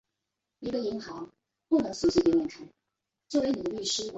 朝鲜目前已被许多国家和国际机构施加经济制裁。